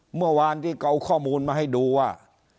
เมื่อวานที่เขาเอาข้อมูลมาให้ดูว่า